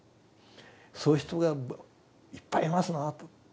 そういう人がいっぱいいますなぁ」と。